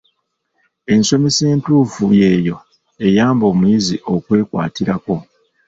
Ensomesa entuufu y'eyo eyamba omuyizi okwekwatirako.